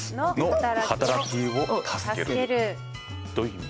どういう意味？